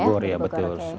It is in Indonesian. bogor ya betul